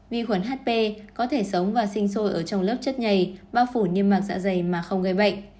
vi khuẩn hp có thể sống và sinh sôi ở trong lớp chất nhầy bao phủ niêm mạc dạ dày mà không gây bệnh